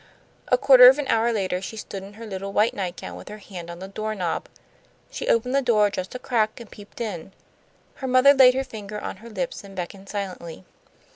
A quarter of an hour later she stood in her little white nightgown with her hand on the door knob. She opened the door just a crack and peeped in. Her mother laid her finger on her lips, and beckoned silently.